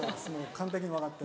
完璧に分かって。